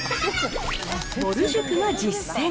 ぼる塾が実践！